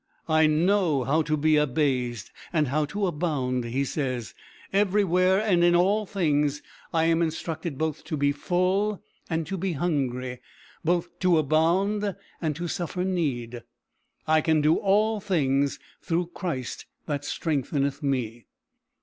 "I know how to be abased, and how to abound," he says; "everywhere, and in all things, I am instructed both to be full and to be hungry, both to abound and suffer need. I can do all things through Christ that strengtheneth me."